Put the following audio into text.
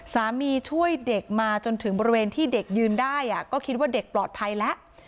ช่วยเด็กมาจนถึงบริเวณที่เด็กยืนได้ก็คิดว่าเด็กปลอดภัยแล้ว